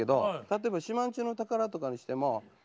例えば「島人ぬ宝」とかにしても。